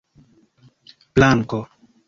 planko